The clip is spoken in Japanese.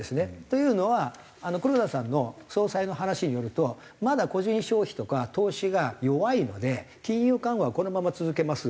というのは黒田さんの総裁の話によるとまだ個人消費とか投資が弱いので金融緩和はこのまま続けます。